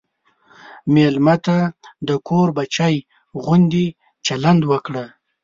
مېلمه ته د کور بچی غوندې چلند وکړه.